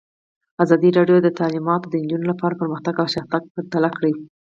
ازادي راډیو د تعلیمات د نجونو لپاره پرمختګ او شاتګ پرتله کړی.